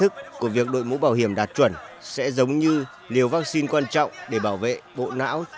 nâng cao nhận thức của việc đội mũ bảo hiểm đạt chuẩn sẽ giống như liều vaccine quan trọng để bảo vệ bộ não